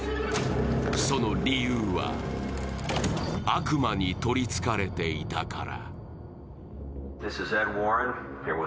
その理由は悪魔にとりつかれていたから。